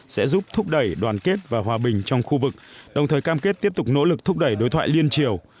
sẽ giúp thúc đẩy đoàn kết và hòa bình trong khu vực đồng thời cam kết tiếp tục nỗ lực thúc đẩy đối thoại liên triều